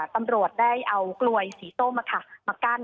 ตำรวจได้เอากลวยสีส้มมากั้น